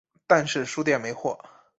但是书店没货